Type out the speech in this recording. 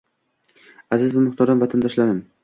Aziz va muhtaram vatandoshlarim!